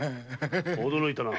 驚いたな。